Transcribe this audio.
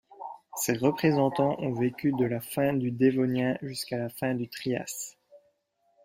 Ses représentants ont vécu de la fin du Dévonien jusqu'à la fin du Trias.